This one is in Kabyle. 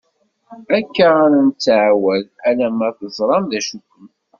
Akka ara d-nettɛawad alamma teẓram d acu-kum.